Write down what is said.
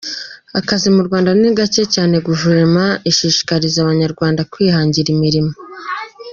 Akazi mu Rwanda ni gake cyane, Guverinoma ishishikariza abanyarwanda kwihangira imirimo.